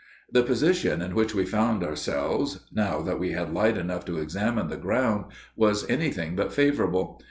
The position in which we found ourselves, now that we had light enough to examine the ground, was anything but favorable.